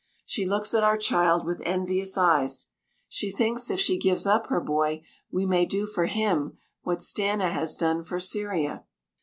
She looks at our child with envious eyes. She thinks if she gives up her boy, we may do for him what Stanna has done for Cyria."